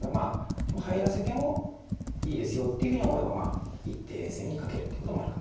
でも入らせてもいいですよっていうふうに思えば一手冷静にカケるっていうこともあるかもしれないです。